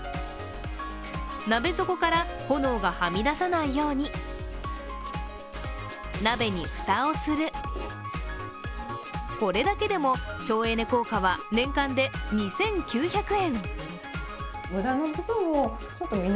鍋底から炎がはみ出さないように、鍋に蓋をする、これだけでも省エネ効果は年間で２９００円。